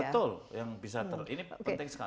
betul yang bisa ini penting sekali